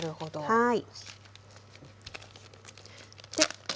はい。